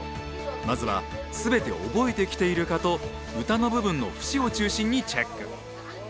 まずは全て覚えてきているかと歌の部分の節を中心にチェック。